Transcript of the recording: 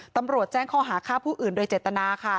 ตำรวจแจ้งข้อหาฆ่าผู้อื่นโดยเจตนาค่ะ